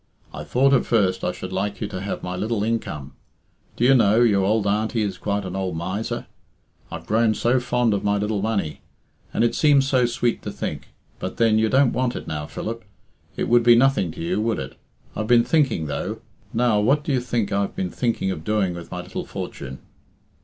I thought at first I should like you to have my little income. Do you know, your old auntie is quite an old miser. I've grown so fond of my little money. And it seemed so sweet to think but then you don't want it now, Philip. It would be nothing to you, would it? I've been thinking, though now, what do you think I've been thinking of doing with my little fortune?"